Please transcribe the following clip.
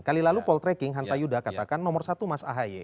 kali lalu paul tracking hantai yudha katakan nomor satu mas ahy